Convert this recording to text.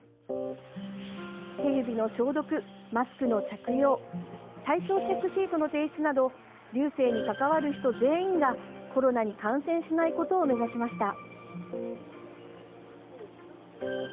手指の消毒、マスクの着用体調チェックシートの提出など龍勢に関わる人全員がコロナに感染しないことを目指しました。